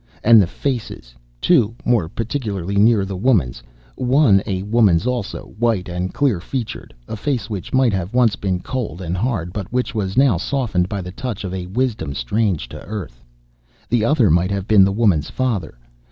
And the faces! Two, more particularly near the woman's: one a woman's also, white and clear featured, a face which might have once been cold and hard, but which was now softened by the touch of a wisdom strange to earth. The other might have been the woman's father.